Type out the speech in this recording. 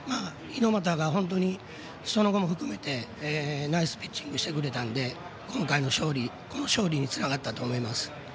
猪俣が本当にその後も含めてナイスピッチングしてくれたのでこの勝利につながったと思います。